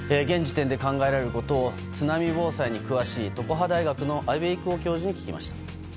現時点で考えられることを津波防災に詳しい常葉大学の阿部郁男教授に聞きました。